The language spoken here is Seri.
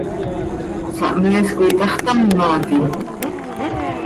¿Sahmees coi itaxtámati?